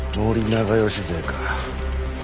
長可勢か。